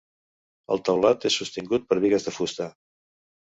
El teulat és sostingut per bigues de fusta.